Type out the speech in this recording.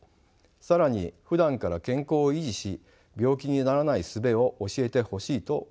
更にふだんから健康を維持し病気にならないすべを教えてほしいと思うでしょう。